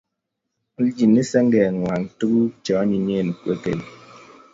alchini sengeng'wang' tuguk che anyinyen kwekeny